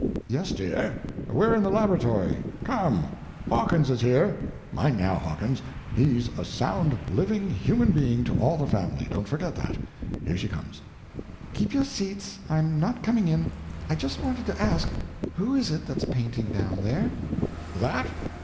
"Yes, dear. We're in the laboratory. Come—Hawkins is here. Mind, now Hawkins—he's a sound, living, human being to all the family—don't forget that. Here she comes." "Keep your seats, I'm not coming in. I just wanted to ask, who is it that's painting down there?" "That?